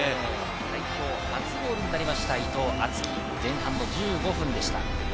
代表初ゴールになりました伊藤敦樹、前半１５分でした。